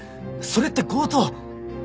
それって強盗？